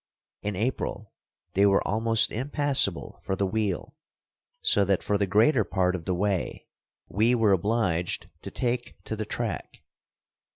In April they were almost impassable for the wheel, so that for the greater part of the way we were obliged to take to the track.